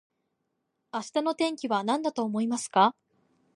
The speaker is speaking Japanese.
明日の天気はなんだと思いますか